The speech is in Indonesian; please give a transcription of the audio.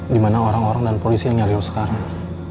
dimana orang orang dan polisi yang nyari lo sekarang